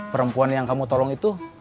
perempuan yang kamu tolong itu